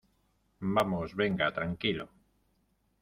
vamos. venga . tranquilo .